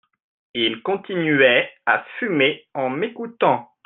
il continuait à fumer en m'écoutant.